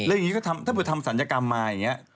แล้วยังงี้ก็ถ้าเผลอทำศัลยกรรมมาอย่างเนี้ย